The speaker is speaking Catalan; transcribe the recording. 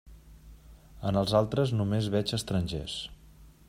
En els altres només veig estrangers.